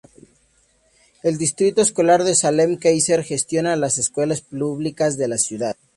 El Distrito Escolar de Salem-Keizer gestiona las escuelas públicas de la ciudad.